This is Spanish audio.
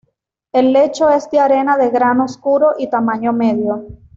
El lecho es de arena de grano oscuro y tamaño medio.